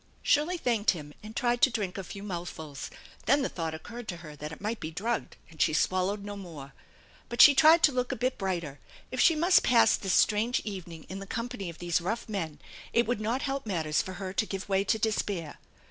Shirley thanked him and tried to drink a few mouthfuls. THE ENCHANTED BARN 281 Then the thought occurred to her that it might be drugged, and she swallowed no more. But she tried to look a bit brighter. If she must pass this strange evening in the com pany of these rough men, it would not help matters for her to give way to despair.